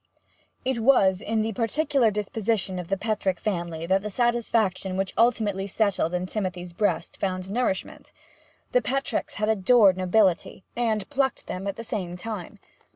It was in the peculiar disposition of the Petrick family that the satisfaction which ultimately settled in Timothy's breast found nourishment. The Petricks had adored the nobility, and plucked them at the same time.